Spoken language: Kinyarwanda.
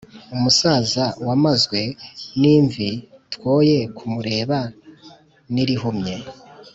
umusaza wamazwe n’imvi twoye kumureba n’irihumye,